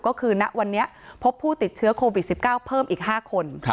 ก็คือณวันนี้พบผู้ติดเชื้อโควิด๑๙เพิ่มอีก๕คน